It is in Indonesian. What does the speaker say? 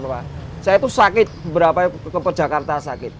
saya itu sakit berapa ke jakarta sakit